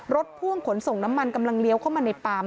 พ่วงขนส่งน้ำมันกำลังเลี้ยวเข้ามาในปั๊ม